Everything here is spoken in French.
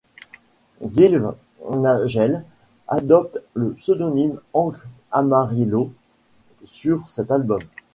Gylve Nagell adopte le pseudonyme Hank Amarillo sur cet album.